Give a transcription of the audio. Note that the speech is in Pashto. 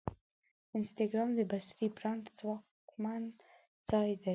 انسټاګرام د بصري برانډ ځواکمن ځای دی.